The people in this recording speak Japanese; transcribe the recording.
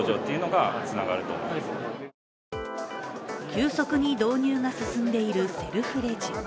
急速に導入が進んでいるセルフレジ。